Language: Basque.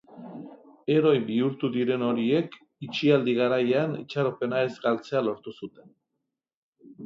Heroi bihurtu diren horiek itxialdi garaian itxaropena ez galtzea lortu zuten.